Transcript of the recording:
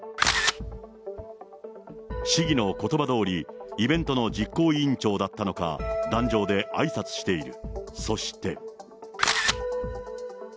市議のことばどおり、イベントの実行委員長だったのか、壇上であいさつしている。